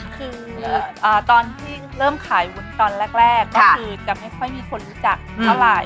คือตอนที่เริ่มขายวุฒิตอนแรกก็คือจะไม่ค่อยมีคนรู้จักเท่าไหร่